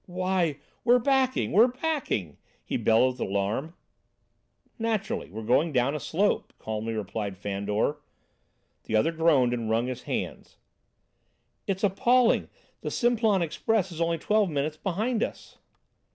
"Why, we're backing! We're backing!" he bellowed with alarm. "Naturally, we're going down a slope," calmly replied Fandor. The other groaned and wrung his hands. "It's appalling! The Simplon express is only twelve minutes behind us!"